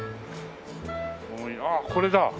ああこれだ。